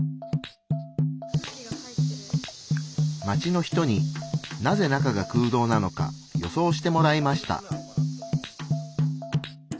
街の人になぜ中が空洞なのか予想してもらいました。